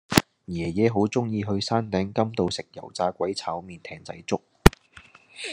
爺爺好鍾意去山頂甘道食油炸鬼炒麵艇仔粥